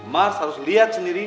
mas harus liat sendiri